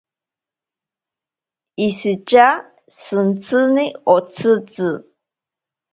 Ishitya shintsini otsitzi.